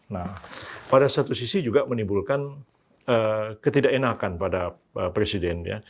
nah pada satu sisi juga menimbulkan ketidakenakan pada presiden ya